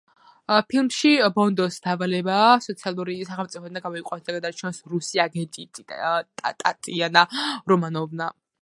ფილმში ბონდის დავალებაა, სოციალური სახელმწიფოდან გამოიყვანოს და გადაარჩინოს რუსი აგენტი ტატიანა რომანოვა.